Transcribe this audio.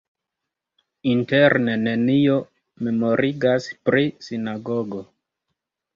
Interne nenio memorigas pri sinagogo.